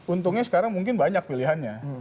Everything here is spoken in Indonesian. untungnya sekarang mungkin banyak pilihannya